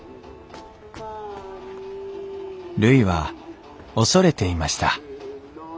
るいは恐れていました。